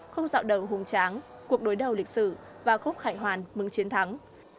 khúc dạo đầu hùng tráng cuộc đối đầu lịch sử và khúc khải hoàn mừng chiến thắng